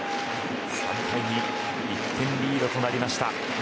３対２、１点リードとなりました。